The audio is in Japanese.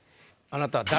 あなた。